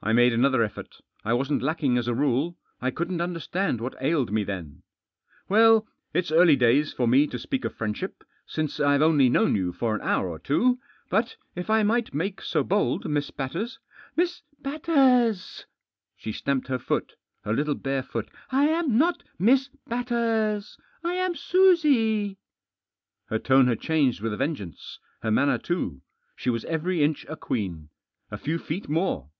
I made another effort. I wasn't lacking as a rule. I couldn't understand what ailed me then. " Well, it's early days for me to speak of friendship, since I've only known you for an hour or two ; but if I might make so bold, Miss Batters ——"" Miss Batters I " She stamped her foot, her little bare foot " I am not Miss Batters. I am Susie." Her tone had changed with a vengeance. Her manner too. She was every inch a queen. A few feet more.